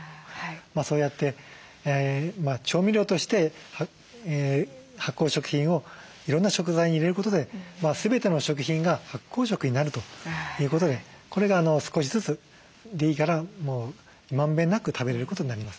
そうやって調味料として発酵食品をいろんな食材に入れることで全ての食品が発酵食になるということでこれが少しずつでいいからまんべんなく食べれることになりますね。